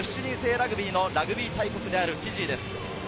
ラグビーのラグビー大国であるフィジーです。